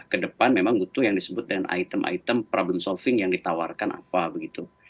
kedepan memang butuh yang disebut dengan item item problem solving yang ditawarkan apa begitu